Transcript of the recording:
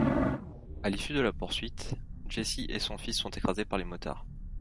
À l'issue de la poursuite, Jesse et son fils sont écrasés par les motards.